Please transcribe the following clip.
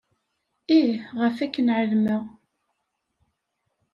Ih, ɣef akken ɛelmeɣ.